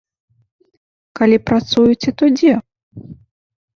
Калі працуеце, то дзе?